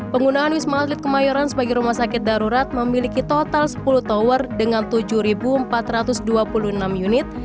penggunaan wisma atlet kemayoran sebagai rumah sakit darurat memiliki total sepuluh tower dengan tujuh empat ratus dua puluh enam unit